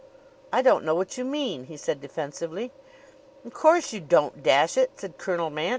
"I don't know what you mean," he said defensively. "Of course you don't dash it!" said Colonel Mant.